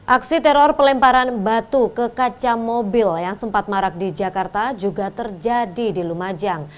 aksi teror pelemparan batu ke kaca mobil yang sempat marak di jakarta juga terjadi di lumajang